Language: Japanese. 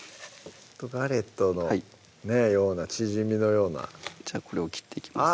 ガレットのようなチジミのようなじゃあこれを切っていきます